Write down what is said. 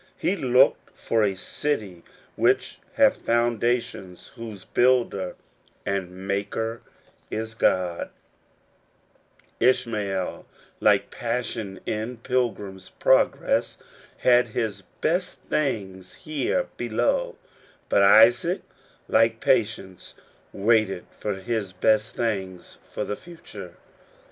He looked for a city which hath foundations, whose Builder and Maker is God, Differing Hopes, 21 Ishmael, like Passion in " Pilgrim's Progress," had his best things here below ; but Isaac, like Patience, waited for his best things for the future."